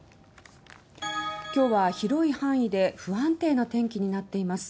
今日は広い範囲で不安定な天気になっています。